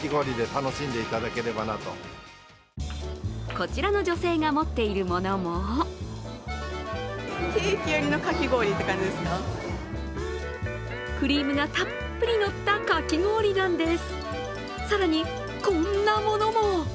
こちらの女性が持っているものもクリームがたっぷりのったかき氷なんです。